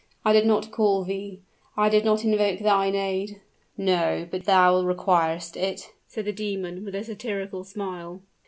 I did not call thee I did not invoke thine aid." "No, but thou requirest it!" said the demon, with a satirical smile.